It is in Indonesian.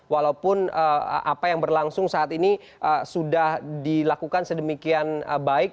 walaupun apa yang berlangsung saat ini sudah dilakukan sedemikian baik